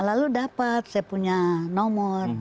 lalu dapat saya punya nomor